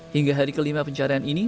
hingga hari kelima pencarian ini